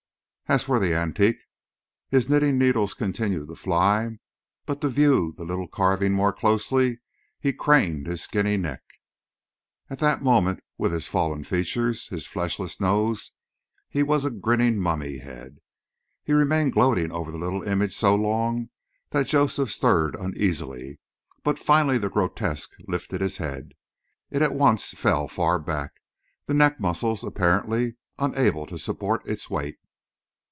As for the antique, his knitting needles continued to fly, but to view the little carving more closely he craned his skinny neck. At that moment, with his fallen features, his fleshless nose, he was a grinning mummy head. He remained gloating over the little image so long that Joseph stirred uneasily; but finally the grotesque lifted his head. It at once fell far back, the neck muscles apparently unable to support its weight.